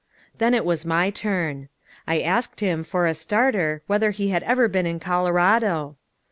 Then it was my turn. I asked him, as a starter, whether he had ever been in Colorado?